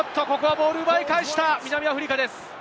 ボールを奪い返した南アフリカです。